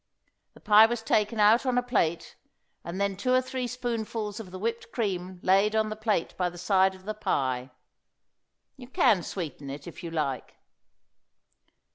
The pie was taken out on a plate, and then two or three spoonfuls of this whipped cream laid on the plate by the side of the pie. You can sweeten it if you like.